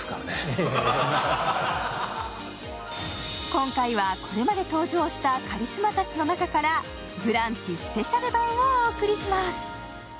今回は、これまで登場したカリスマたちの中からブランチスペシャル版をお送りします。